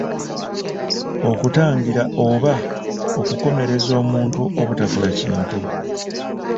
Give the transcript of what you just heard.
Okutangira oba okukomereza omuntu obutakola kintu.